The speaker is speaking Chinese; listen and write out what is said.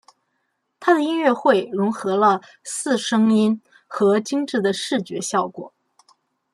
他的音乐会融合了四声音和精致的视觉效果。